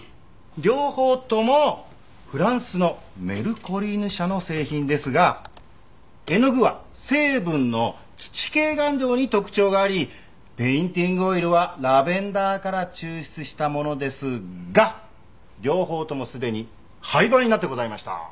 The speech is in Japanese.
両方ともフランスのＭｅｒｃｏｌｉｎｅ社の製品ですが絵の具は成分の土系顔料に特徴がありペインティングオイルはラベンダーから抽出したものですが両方ともすでに廃盤になってございました。